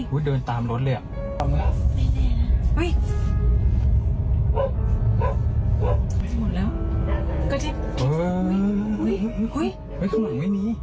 มันไงนี้